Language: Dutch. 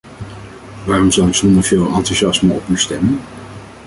Waarom zal ik zonder veel enthousiasme op u stemmen?